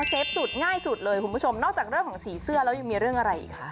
เฟฟสุดง่ายสุดเลยคุณผู้ชมนอกจากเรื่องของสีเสื้อแล้วยังมีเรื่องอะไรอีกคะ